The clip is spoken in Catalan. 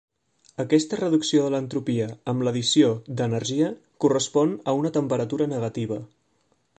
Aquesta reducció de l'entropia amb l'addició d'energia correspon a una temperatura negativa.